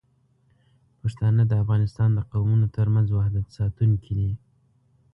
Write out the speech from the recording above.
پښتانه د افغانستان د قومونو ترمنځ وحدت ساتونکي دي.